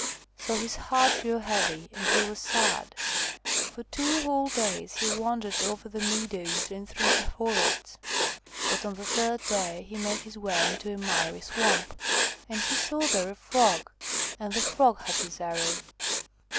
So his heart grew heavy, and he was sad. For two whole days he wandered over the meadows and through the forests, but on the third day he made his way into a miry swamp, and he saw there a Frog, and the Frog had his arrow.